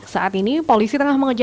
saat ini polisi tengah mengejar